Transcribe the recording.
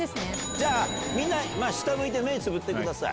じゃあみんな下向いて目つぶってください。